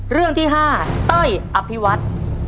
เรื่องที่๕ต้อยอภิวัฒน์